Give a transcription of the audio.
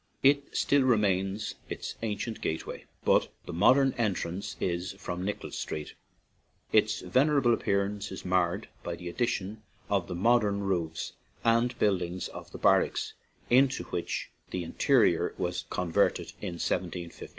It still retains its ancient gateway, but the modern entrance is from Nicholas Street. Its venerable appearance is marred by the addition of the modern roofs and buildings of the barracks into which the interior was converted in 1 751.